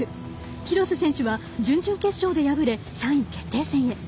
廣瀬選手は準々決勝で敗れ３位決定戦へ。